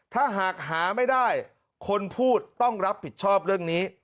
ถ้าหากหาไม่ได้คนพูดต้องรับผิดชอบเรื่องนี้